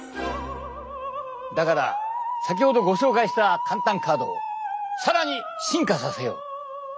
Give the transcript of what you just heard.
だから先ほどご紹介したかん・たんカードを更に進化させよう！